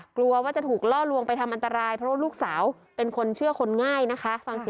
กลัวว่าจะถูกล่อลวงไปทำอันตรายเพราะว่าลูกสาวเป็นคนเชื่อคนง่ายนะคะ